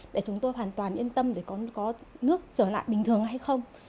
để chúng tôi hoàn toàn yên tâm để có nước trở lại bình thường hay không